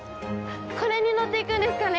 これに乗って行くんですかね。